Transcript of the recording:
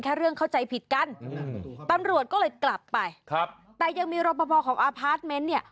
กันอืมตำรวจก็เลยกลับไปครับแต่ยังมีรบภพของอพาร์ทเมนต์เนี่ย